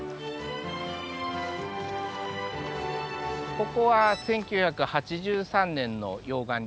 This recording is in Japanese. ここは１９８３年の溶岩流です。